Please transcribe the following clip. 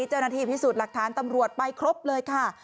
เจ้าหน้าที่พิสูจน์หลักฐานตำรวจไปครบเลยค่ะ